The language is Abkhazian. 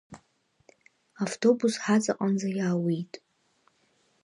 Автобус ҳаҵаҟанӡа иаауеит.